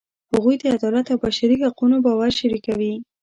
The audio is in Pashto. هغوی د عدالت او بشري حقونو باور شریکوي.